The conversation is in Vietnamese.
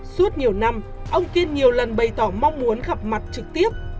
suốt nhiều năm ông kiên nhiều lần bày tỏ mong muốn gặp mặt trực tiếp